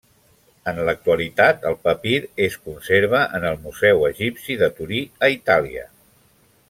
En l'actualitat el papir es conserva en el Museu Egipci de Torí a Itàlia.